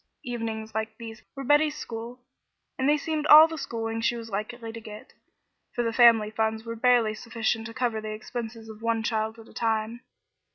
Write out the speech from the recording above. Evenings like these were Betty's school, and they seemed all the schooling she was likely to get, for the family funds were barely sufficient to cover the expenses of one child at a time.